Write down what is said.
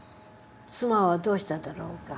妻はどうしただろうか。